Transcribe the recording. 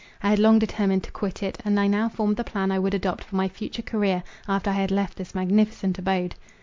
I had long determined to quit it, and I now formed the plan I would adopt for my future career, after I had left this magnificent abode.